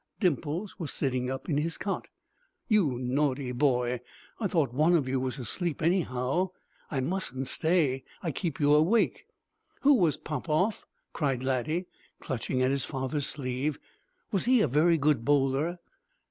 Dimples was sitting up in his cot. "You naughty boy! I thought one of you was asleep, anyhow. I mustn't stay. I keep you awake." "Who was Popoff?" cried Laddie, clutching at his father's sleeve. "Was he a very good bowler?"